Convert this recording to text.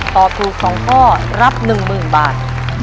ตอบถูกสองข้อรับหนึ่งหมื่นบาท